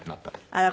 あら。